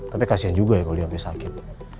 tapi kasian juga ya kalo dia sampe sakit